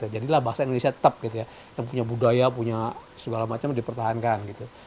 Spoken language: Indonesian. jadilah bahasa indonesia tetap yang punya budaya punya segala macam dipertahankan